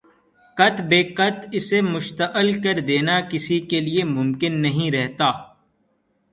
قت بے وقت اسے مشتعل کر دینا کسی کے لیے ممکن نہیں رہتا